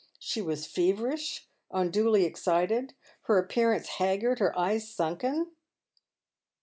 She was feverisli, unduly excited, her appearance haggard, her eyes sunken.